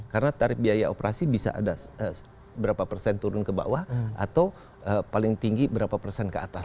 karena tarif biaya operasi bisa ada berapa persen turun ke bawah atau paling tinggi berapa persen ke atas